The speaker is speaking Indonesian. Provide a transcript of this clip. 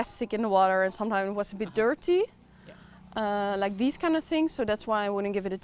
ya aku tidak akan berikan sepuluh karena ada plastik di air dan kadang kadang agak berlapis